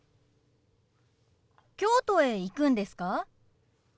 京都へ行くんですか？